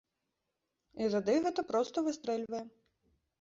І тады гэта проста выстрэльвае!